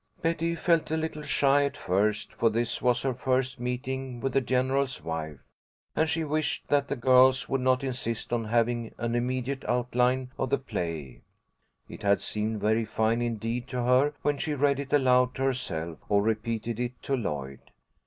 Betty felt a little shy at first, for this was her first meeting with the General's wife, and she wished that the girls would not insist on having an immediate outline of the play. It had seemed very fine indeed to her when she read it aloud to herself, or repeated it to Lloyd.